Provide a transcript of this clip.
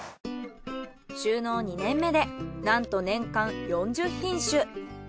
就農２年目でなんと年間４０品種。